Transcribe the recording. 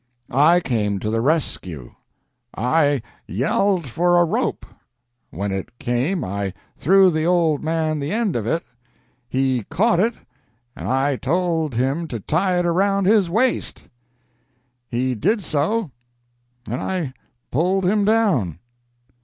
I came to the rescue. I yelled for a rope. When it came I threw the old man the end of it. He caught it, and I told him to tie it around his waist. He did so, and I pulled him down."